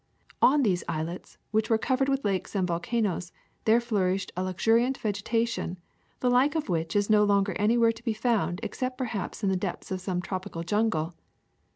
On these islets, which were covered with lakes and volcanoes, there flourished a luxuriant vegetation, the like of which is no longer anywhere to be found except perhaps in the depths of some tropical jungle.